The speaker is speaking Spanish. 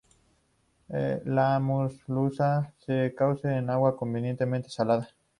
La merluza se cuece en agua convenientemente salada.